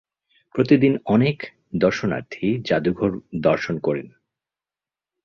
প্রতিদিন অনেক দর্শনার্থী জাদুঘর দর্শন করেন।